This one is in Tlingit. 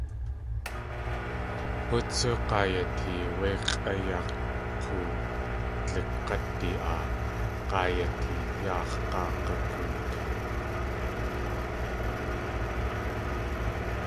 Hú tsú, g̲aa yatee wé x̲ʼayaak̲uwdlig̲adi aa; g̲aa yatee. Yaax̲ g̲aag̲agoot!